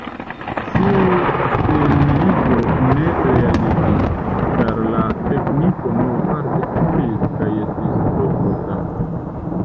Tiu stelmilito ne realiĝis, ĉar la tekniko nur parte funkciis kaj estis tro kosta.